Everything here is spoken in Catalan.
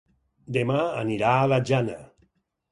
Demà anirà a la Jana.